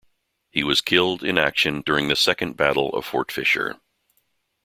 He was killed in action during the Second Battle of Fort Fisher.